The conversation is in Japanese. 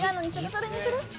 それにする？